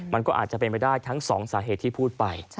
มันก็อาจจะเป็นไปได้ทั้งสองสาเหตุที่พูดไป